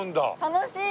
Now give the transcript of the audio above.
楽しい！